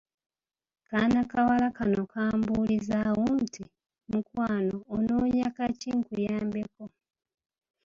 Kaanakawala kano kambuulizaawo nti, "Mukwano onoonya kaki nkuyambeko?"